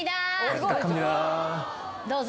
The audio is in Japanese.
どうぞ。